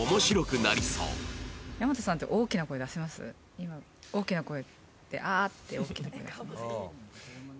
今大きな声ってあって大きな声出せますか？